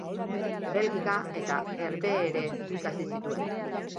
Belgika eta Herbehere ikasi zituen.